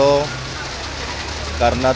karena terima kasih